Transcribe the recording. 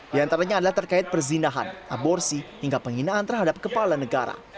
di antaranya adalah terkait perzinahan aborsi hingga penghinaan terhadap kepala negara